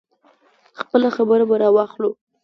خپله خبره به راواخلو.